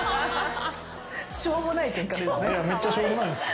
しょうもないケンカですね。